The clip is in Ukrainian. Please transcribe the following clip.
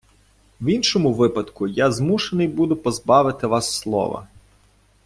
В іншому випадку я змушений буду позбавити вас слова.